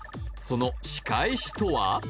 その仕返しとは？